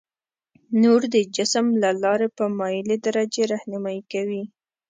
نور د جسم له لارې په مایلې درجې رهنمایي کوي.